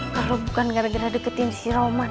kalau bukan gara gara deketin si roman